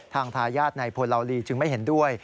ทายาทในพลเหลาลีจึงไม่เห็นด้วย